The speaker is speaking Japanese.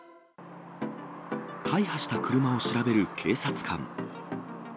大破した車を調べる警察官。